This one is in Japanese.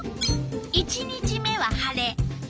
１日目は晴れ。